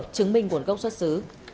chứng minh nguồn gốc xuất xứ